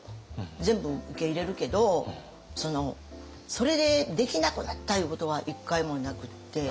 全部受け入れるけどそれでできなくなったいうことは一回もなくって。